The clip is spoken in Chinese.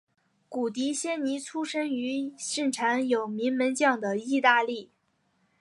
古迪仙尼出生于盛产有名门将的意大利。